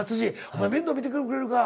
お前面倒見てくれるか？